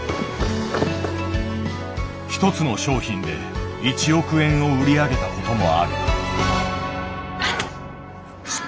ひとつの商品で１億円を売り上げたこともある。